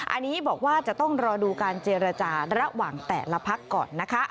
อันนี้บอกว่าจะต้องรอดูการเจรจาระหว่างแต่ละพักก่อนนะคะ